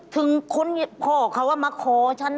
คุณพ่อเขามาขอฉัน